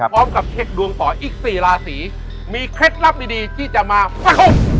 พร้อมกับเช็คดวงต่ออีก๔ราศีมีเคล็ดลับดีที่จะมาเฝ้า